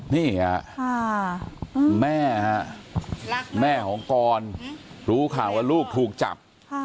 นี่ค่ะแม่ฮะแม่ของกรรู้ข่าวว่าลูกถูกจับ